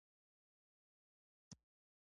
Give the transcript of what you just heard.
د ادم خان او درخانۍ کیسه مشهوره ده.